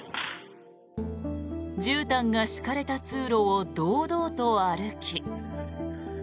じゅうたんが敷かれた通路を堂々と歩き。